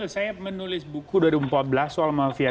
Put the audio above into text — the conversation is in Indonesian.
saya menulis buku dari umpablah soal mafia